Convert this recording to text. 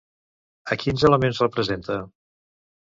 A quins elements representa?